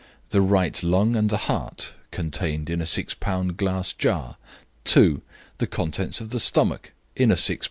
The right lung and the heart (contained in a 6 lb. glass jar). "2. The contents of the stomach (in a 6 lb.